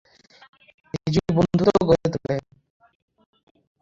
এই জুটি বন্ধুত্ব গড়ে তোলে।